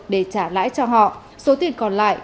để trả lãi cho họ số tiền còn lại